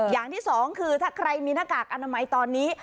อย่างที่สองคือถ้าใครมีหน้ากากอนามัยตอนนี้